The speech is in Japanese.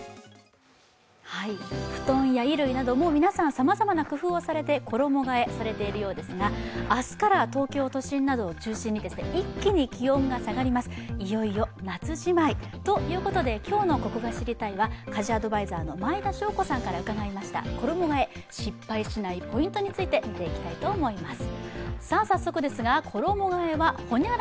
布団や衣類など、皆さん、さまざまな工夫をされて衣がえされているようですが、明日から東京都心などを中心に一気に気温が下がります、いよいよ夏じまいということで、今日の「ここが知りたい！」は家事アドバイザーの毎田さんから伺った衣がえ失敗しないポイントについて見ていきたいと思います。